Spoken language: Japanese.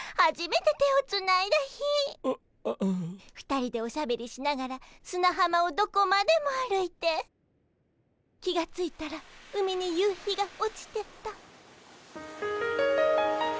２人でおしゃべりしながらすなはまをどこまでも歩いて気が付いたら海に夕日が落ちてた。